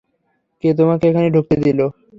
কে তোমাকে এখানে ঢুকতে দিলো?